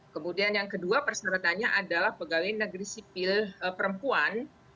kemudian yang kedua persyaratannya adalah pegawai negeri sipil perempuan